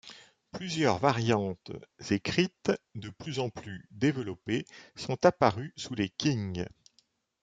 Plusieurs variantes écrites, de plus en plus développées, sont apparues sous les Qing.